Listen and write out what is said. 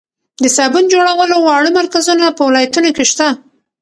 د صابون جوړولو واړه مرکزونه په ولایتونو کې شته.